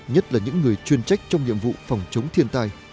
nhất là những người chuyên trách trong nhiệm vụ phòng chống thiên tai